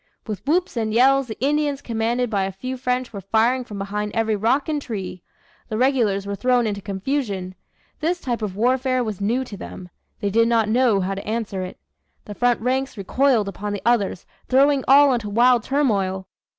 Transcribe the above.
With whoops and yells the Indians commanded by a few French were firing from behind every rock and tree. The regulars were thrown into confusion. This type of warfare was new to them. They did not know how to answer it. The front ranks recoiled upon the others, throwing all into wild turmoil.